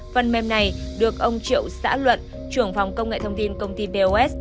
phần mềm này được ông triệu xã luận trưởng phòng công nghệ thông tin công ty bos